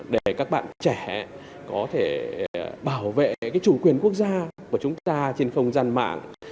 để các bạn trẻ có thể bảo vệ chủ quyền quốc gia của chúng ta trên không gian mạng